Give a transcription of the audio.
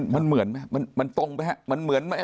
มันเหมือนไหมมันตรงไหมมันเหมือนไหม